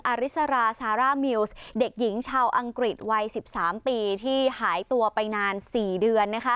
อริสราซาร่ามิวส์เด็กหญิงชาวอังกฤษวัย๑๓ปีที่หายตัวไปนาน๔เดือน